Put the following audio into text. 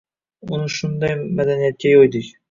Uni sunday madaniyatga yoʻydik